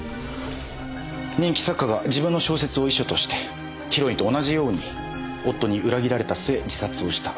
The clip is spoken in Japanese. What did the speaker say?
人気作家が自分の小説を遺書としてヒロインと同じように夫に裏切られた末自殺をした。